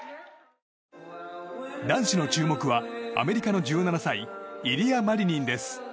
男子の注目はアメリカの１７歳イリア・マリニンです。